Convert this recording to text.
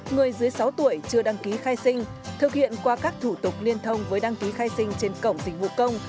người dưới sáu tuổi chưa đăng ký khai sinh thực hiện qua các thủ tục liên thông với đăng ký khai sinh trên cổng dịch vụ công